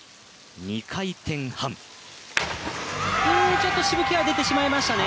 ちょっと、しぶきが出てしまいましたね。